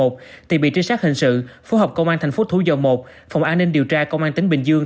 thì bị trinh sát hình sự phố học công an tp thủ dầu một phòng an ninh điều tra công an tỉnh bình dương